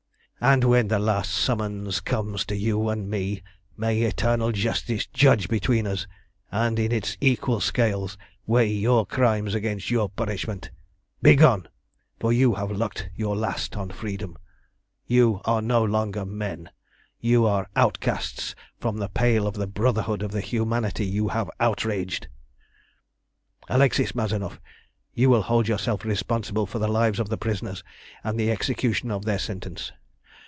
And when the last summons comes to you and me, may Eternal Justice judge between us, and in its equal scales weigh your crimes against your punishment! Begone! for you have looked your last on freedom. You are no longer men; you are outcasts from the pale of the brotherhood of the humanity you have outraged! "Alexis Mazanoff, you will hold yourself responsible for the lives of the prisoners, and the execution of their sentence.